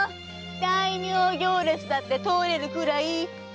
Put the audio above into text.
大名行列だって通れるくらい！